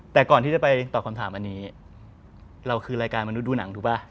แต่ก่อนที่จะไปตอบคำถามอันนี้เราคือรายการมนุษย์ดูหนังถูกป่ะ